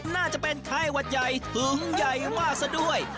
น่าจะเป็นไข้หวัดใหญ่ถึงใหญ่มากซะด้วย